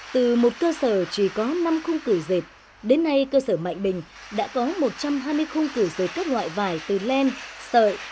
từ một cơ sở chỉ có năm khung cửa dệt đến nay cơ sở mạnh bình đã có một trăm hai mươi khung cửa dệt các loại vải từ len sợi